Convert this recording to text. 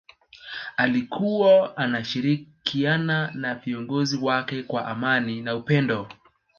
alikuwa anashirikiana na viongozi wake kwa amani na upendo